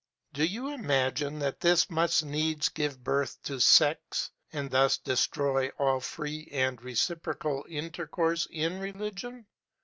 Do you imagine that this must needs give birth to sects, and thus destroy all free and reciprocal intercourse in religion?